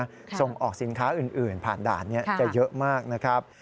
ส่งออกสินค้าอื่นผ่านด่านนี้จะเยอะมากนะครับ